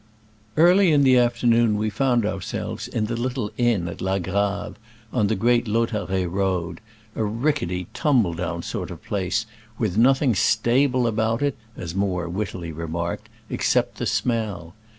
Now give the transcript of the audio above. Early in the afternoon we found our selves in the little inn at La Grave, on the great Lautaret road, a rickety, tum ble down sort of place, with nothing sta ble about it, as Moore wittily remarked, except the smell.